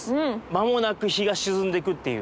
間もなく日が沈んでいくっていう。